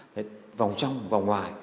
đấy vòng trong vòng ngoài